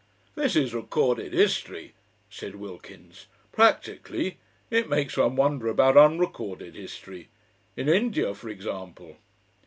"This is recorded history," said Wilkins, "practically. It makes one wonder about unrecorded history. In India, for example."